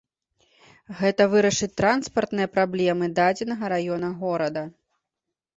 Гэта вырашыць транспартныя праблемы дадзенага раёна горада.